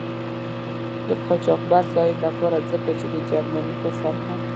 د قاچاقبر صاحب له پاره ځکه چې د جرمني په سرحد.